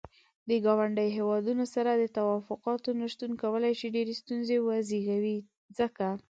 د ګاونډيو هيوادونو سره د تووافقاتو نه شتون کولاي شي ډيرې ستونزې وزيږوي ځکه.